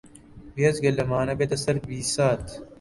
بێجگە لەمانە یێتە سەر بیسات